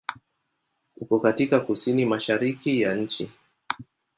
Uko katika kusini-mashariki ya nchi.